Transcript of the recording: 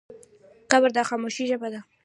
قبر د خاموشۍ ژبه لري.